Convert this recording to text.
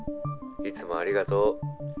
いつもありがとう」